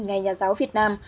ngày nhà giáo việt nam